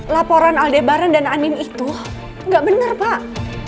laporan aldebaran dan anin itu nggak benar pak